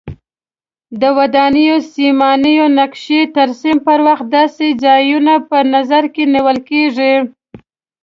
د ودانیو سیمانو نقشې ترسیم پر وخت داسې ځایونه په نظر کې نیول کېږي.